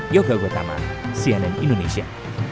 yoga gotama cnn indonesia